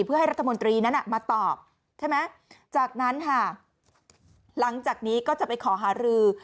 เพื่อให้รัฐมนตรีนั้นมาตอบใช่ไหมจากนั้นค่ะหลังจากนี้ก็จะไปขอหารือ